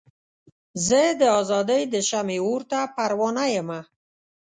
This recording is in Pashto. زه د ازادۍ د شمعې اور ته پروانه یمه.